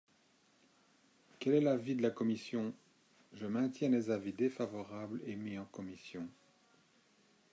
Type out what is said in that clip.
Quel est l’avis de la commission ? Je maintiens les avis défavorables émis en commission.